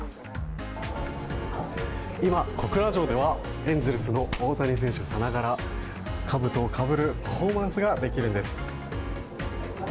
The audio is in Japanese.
今、小倉城ではエンゼルスの大谷選手さながらかぶとをかぶるパフォーマンスができるんです。